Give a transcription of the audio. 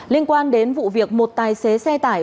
liên quan đến vụ việc một tài xế xe tải